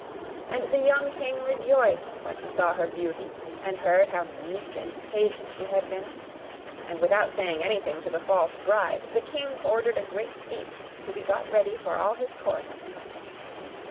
And the young king rejoiced when he saw her beauty, and heard how meek and patient she had been; and without saying anything to the false bride, the king ordered a great feast to be got ready for all his court.